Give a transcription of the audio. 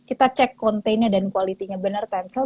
kita cek kontainnya dan quality nya benar tensel